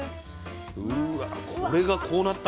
うわこれがこうなった？